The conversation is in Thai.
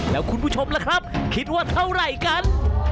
แล้วคุณผู้ชมล่ะครับคิดว่าเท่าไหร่กัน